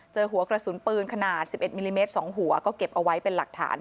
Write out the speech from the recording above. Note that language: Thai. หัวกระสุนปืนขนาด๑๑มิลลิเมตร๒หัวก็เก็บเอาไว้เป็นหลักฐาน